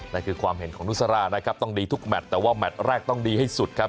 นั่นคือความเห็นของนุสรานะครับต้องดีทุกแมทแต่ว่าแมทแรกต้องดีให้สุดครับ